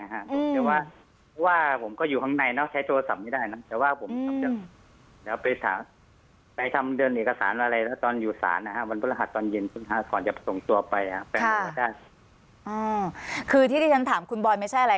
เพราะว่าผมก็อยู่ข้างในใช้โทรศัพท์ไม่ได้